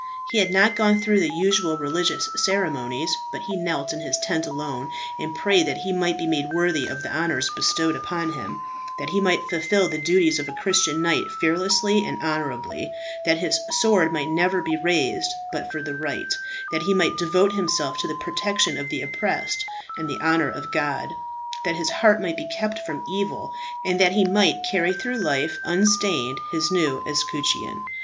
He had not gone through the usual religious ceremonies, but he knelt in his tent alone, and prayed that he might be made worthy of the honours bestowed upon him; that he might fulfil the duties of a Christian knight fearlessly and honourably; that his sword might never be raised but for the right; that he might devote himself to the protection of the oppressed, and the honour of God; that his heart might be kept from evil; and that he might carry through life, unstained his new escutcheon.